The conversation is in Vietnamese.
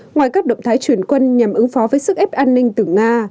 ngoài các động thái chuyển quân nhằm ứng phó với sức ép an ninh từ nga